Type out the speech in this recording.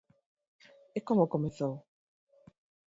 E como comezou?